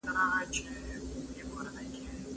موږ بايد د سوله ييزې سيالۍ کلتور عام کړو.